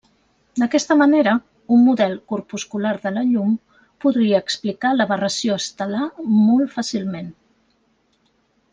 D'aquesta manera, un model corpuscular de la llum podria explicar l'aberració estel·lar molt fàcilment.